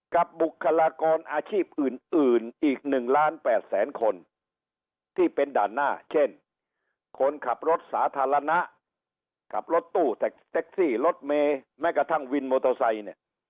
บุคลากรอาชีพอื่นอีก๑ล้าน๘แสนคนที่เป็นด่านหน้าเช่นคนขับรถสาธารณะกับรถตู้เซ็กซี่รถเมย์แม้กระทั่งวินมอเตอร์ไซค์เนี่ย